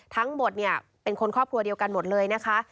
ทั้งหมดเนี่ยเป็นคนครอบครัวเดียวกันหมดเลยนะคะ